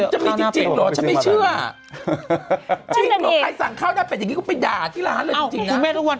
จริงเหรอใครสั่งข้าวหน้าเป็ดอย่างนี้กูไปด่าที่ร้านเลยจริงนะ